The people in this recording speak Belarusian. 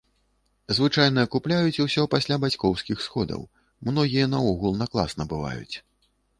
Звычайна купляюць усё пасля бацькоўскіх сходаў, многія наогул на клас набываюць.